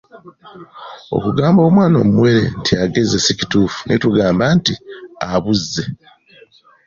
Okugamba omwana omuwere nti agezze si kituufu naye tugamba nti abozze.